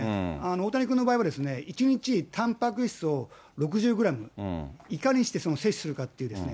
大谷君の場合はですね、１日、たんぱく質を６０グラム、いかにして摂取するかっていうですね、